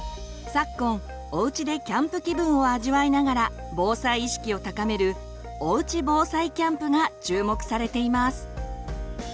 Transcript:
昨今おうちでキャンプ気分を味わいながら防災意識を高める「おうち防災キャンプ」が注目されています。